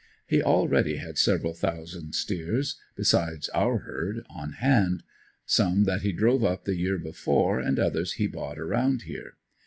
He already had several thousand steers besides our herd on hand; some that he drove up the year before and others he bought around there.